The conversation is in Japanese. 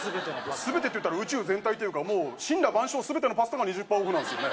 全てといったら宇宙全体というか森羅万象全てのパスタが２０％オフなんすよね